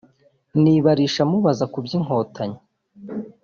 nibarisha mubaza ku by’Inkotanyi